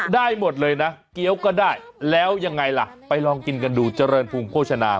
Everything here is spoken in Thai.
ได้หมดเลยนะเกี้ยวก็ได้แล้วยังไงล่ะไปลองกินกันดูเจริญภูมิโภชนา